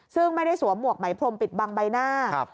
ซึ่งไม่ได้สวมหวกไหมพรมปิดบังใบหน้า